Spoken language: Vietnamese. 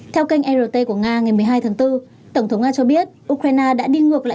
theo kênh rt của nga ngày một mươi hai tháng bốn tổng thống nga cho biết ukraine đã đi ngược lại